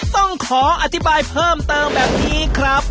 ต้องขออธิบายเพิ่มเติมแบบนี้ครับ